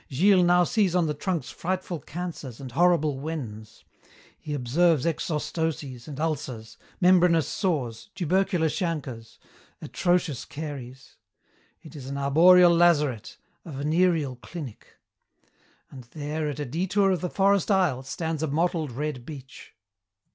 Gilles now sees on the trunks frightful cancers and horrible wens. He observes exostoses and ulcers, membranous sores, tubercular chancres, atrocious caries. It is an arboreal lazaret, a venereal clinic. "And there, at a detour of the forest aisle, stands a mottled red beech.